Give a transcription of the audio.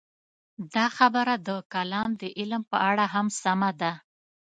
دا خبره د کلام د علم په اړه هم سمه ده.